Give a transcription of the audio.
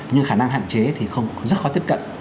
nhưng khả năng hạn chế thì rất khó tiếp cận